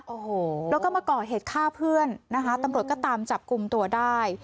โอ้โหแล้วก็มาก่อเหตุฆ่าเพื่อนนะคะตำรวจก็ตามจับกลุ่มตัวได้